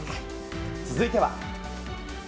続いては。